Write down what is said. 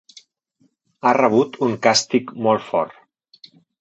Ha rebut un càstig molt fort.